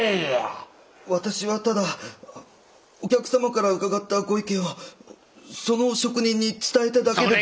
私はただお客様から伺ったご意見をその職人に伝えただけで。